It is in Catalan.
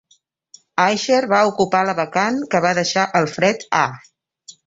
Eicher va ocupar la vacant que va deixar Alfred A.